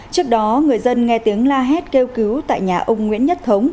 trước đó người dân nghe tiếng la hét kêu cứu tại nhà ông nguyễn nhất thống